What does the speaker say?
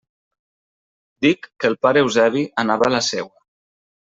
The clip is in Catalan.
Dic que el pare Eusebi anava a la seua.